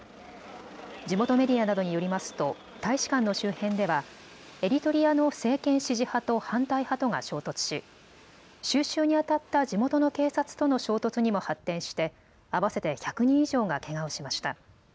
地元メディアなどによりますと大使館の周辺ではエリトリアの政権支持派と反対派とが衝突し収拾にあたった地元の警察との衝突にも発展して合わせて１００人以上がけがをしました。